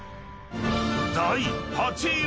［第８位は］